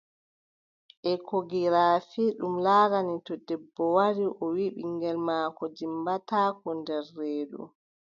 Ekogirafi, ɗum laarani to debbo wari o wii ɓiŋngel maako dimmbataako nder reedu,